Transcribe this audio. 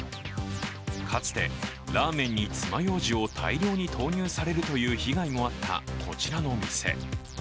かつて、ラーメンにつまようじを大量に投入されるという被害もあったこちらの店。